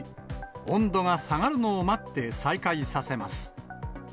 温度が下がるのを待って再開させます。